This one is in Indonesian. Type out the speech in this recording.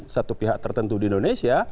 satu pihak tertentu di indonesia